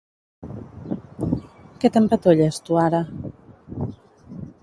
Què t'empatolles, tu ara?